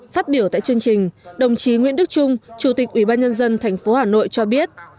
phát biểu tại chương trình đồng chí nguyễn đức trung chủ tịch ubnd tp hà nội cho biết